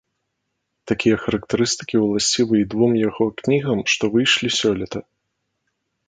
Такія характарыстыкі ўласцівы і двум яго кнігам, што выйшлі сёлета.